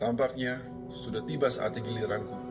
tampaknya sudah tiba saatnya giliranku